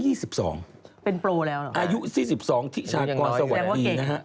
เป็นโปรแล้วหรือครับอายุ๔๒ที่ชาติกรสวรรค์ดีนะฮะ